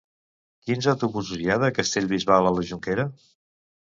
Quins autobusos hi ha de Castellbisbal a la Jonquera?